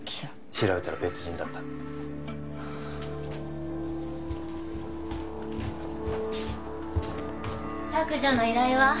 調べたら別人だったはあ削除の依頼は？